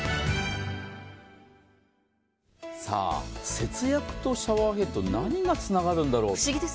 節約とシャワーヘッド、何がつながるんだろう。